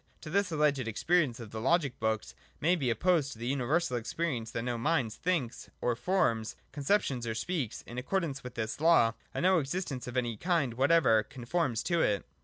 To this alleged experience of the logic books may be op posed the universal experience that no mind thinks or forms conceptions or speaks, in accordance with this law, and that no existence of any kind whatever con forms to it.